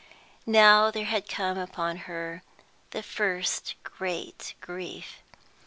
Now there had come upon her the first great grief.